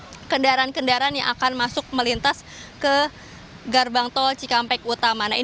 disini ini adalah kendaraan kendaraan yang akan datang melintas ke gerbang tol cikampek utama